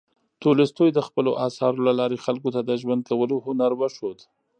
تولستوی د خپلو اثارو له لارې خلکو ته د ژوند کولو هنر وښود.